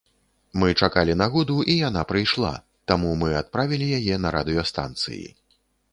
Мы чакалі нагоду, і яна прыйшла, таму мы адправілі яе на радыёстанцыі.